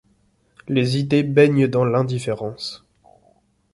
les idées baignent dans l'indifférence.